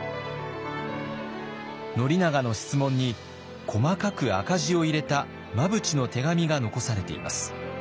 宣長の質問に細かく赤字を入れた真淵の手紙が残されています。